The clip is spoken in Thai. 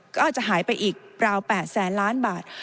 ก็อาจจะหายไปอีกราว๘แสนล้านบาท